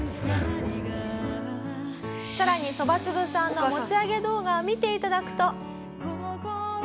さらにそばつぶさんの持ち上げ動画を見て頂くと。